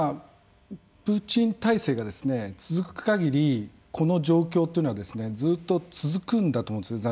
プーチン体制が続く限りこの状況というのはずっと続くんだと思うんです。